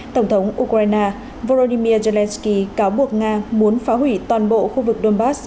tổng thống ukraine volodymyr zelensky cáo buộc nga muốn phá hủy toàn bộ khu vực donbass